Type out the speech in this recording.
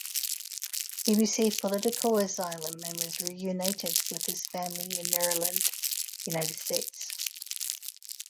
He received political asylum and was reunited with his family in Maryland, United States.